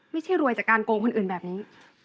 ไม่ใช่รวยจากการโกงคนอื่นแบบนี้